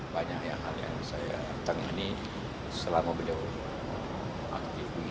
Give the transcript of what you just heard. banyak hal yang saya tangani selama berjauh aktif ini